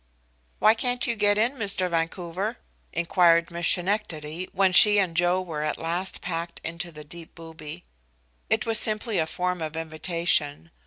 "Why can't you get in, Mr. Vancouver?" inquired Miss Schenectady, when she and Joe were at last packed into the deep booby. It was simply a form of invitation.